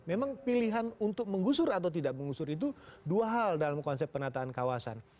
memang pilihan untuk menggusur atau tidak mengusur itu dua hal dalam konsep penataan kawasan